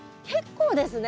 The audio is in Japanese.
結構。